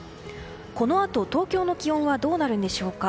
このあと東京の気温はどうなるんでしょうか。